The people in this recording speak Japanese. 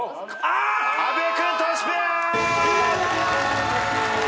阿部君トシペア！